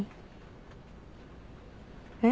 えっ？